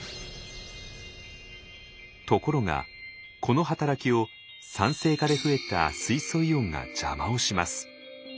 ところがこの働きを酸性化で増えた水素イオンが邪魔をします。